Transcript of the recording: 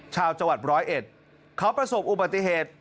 ชาวจังหวัดร้อยเอ็ดเขาประสบอุบัติเหตุ